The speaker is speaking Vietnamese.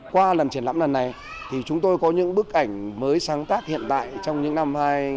qua lần triển lãm lần này thì chúng tôi có những bức ảnh mới sáng tác hiện tại trong những năm hai nghìn một mươi bảy hai nghìn một mươi tám